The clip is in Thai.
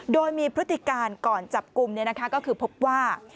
โดยมีพฤติการก่อนจับกลุ่มก็คือพบว่า